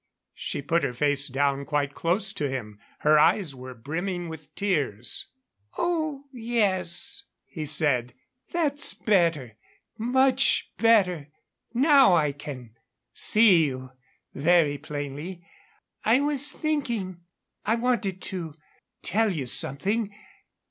She put her face down quite close to him. Her eyes were brimming with tears. "Oh yes," he said. "That's better much better. Now I can see you very plainly. I was thinking I wanted to tell you something.